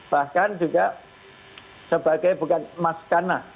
bahkan juga sebagai bukan maskanah